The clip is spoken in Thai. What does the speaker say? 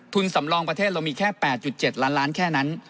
สำรองประเทศเรามีแค่๘๗ล้านล้านแค่นั้น